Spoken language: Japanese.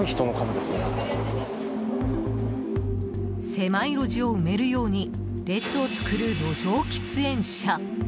狭い路地を埋めるように列を作る路上喫煙者。